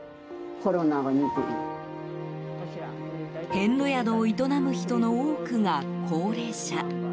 遍路宿を営む人の多くが高齢者。